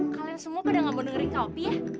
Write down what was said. kalian semua pada nggak mau dengerin kak opi ya